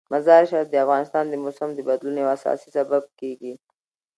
مزارشریف د افغانستان د موسم د بدلون یو اساسي سبب کېږي.